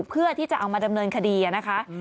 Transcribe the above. เพื่อที่จะเอามาดำเนินคดีนะคะ